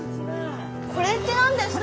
これって何ですか？